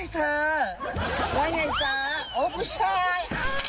เธอว่าไงจ๊ะโอ้ผู้ชาย